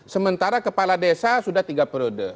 sementara kepala desa sudah tiga periode